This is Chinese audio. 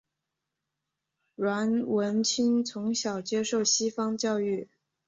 阮文清从小接受西方教育。